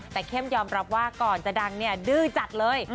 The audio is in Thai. แต่เข้มยอมรับว่าก่อนจะดังเนี่ยดื้อจัดเลย